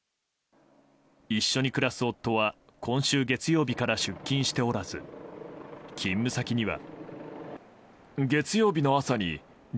一緒に暮らす夫は今週月曜日から出勤しておらず勤務先には。